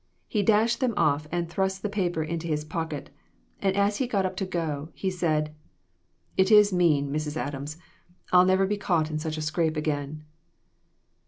He , dashed them off, and thrust the paper into his pocket, and as he got up to go, he said "It is mean, Mrs. Adams ; I'll never be caught in such a scrape again."